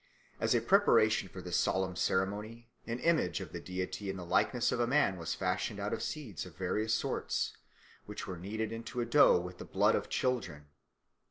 As a preparation for this solemn ceremony an image of the deity in the likeness of a man was fashioned out of seeds of various sorts, which were kneaded into a dough with the blood of children.